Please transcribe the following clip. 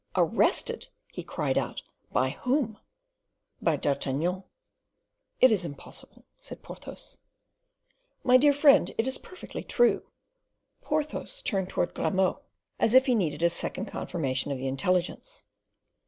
"Arrested!" he cried out; "by whom?" "By D'Artagnan." "It is impossible," said Porthos. "My dear friend, it is perfectly true." Porthos turned towards Grimaud, as if he needed a second confirmation of the intelligence.